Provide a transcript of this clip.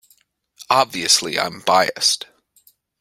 Obviously I’m biased.